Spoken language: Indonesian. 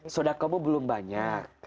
saudakamu belum banyak